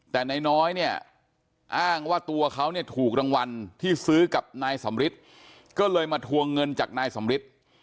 แต่นายน้อยเนี่ยอ้างว่าตัวเขาเนี่ยถูกรางวัลที่ซื้อกับนายสำริทก็เลยมาทวงเงินจากนายสำริท